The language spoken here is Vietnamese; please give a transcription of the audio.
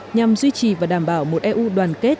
nhằm duy trì và đảm bảo một eu đoàn kết